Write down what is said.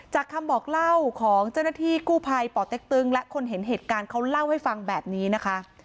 คำบอกเล่าของเจ้าหน้าที่กู้ภัยป่อเต็กตึงและคนเห็นเหตุการณ์เขาเล่าให้ฟังแบบนี้นะคะ